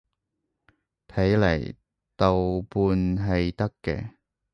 睇嚟豆瓣係得嘅